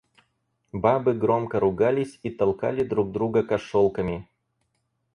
Бабы громко ругались и толкали друг друга кошелками.